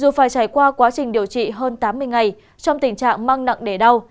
mà phải trải qua quá trình điều trị hơn tám mươi ngày trong tình trạng mang nặng đẻ đau